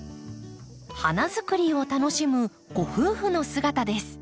花づくりを楽しむご夫婦の姿です。